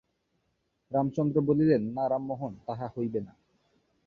রামচন্দ্র বলিলেন, না রামমোহন, তাহা হইবে না।